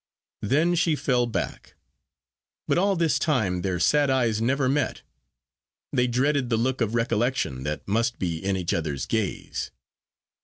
Then she fell back. But all this time their sad eyes never met they dreaded the look of recollection that must be in each other's gaze.